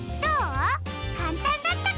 かんたんだったかな？